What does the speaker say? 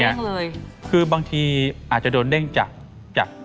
เพราะฉะนั้นเนี่ยคือบางทีอาจจะโดนเด้งจาก